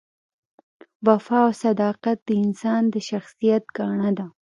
وفا او صداقت د انسان د شخصیت ګاڼه ده.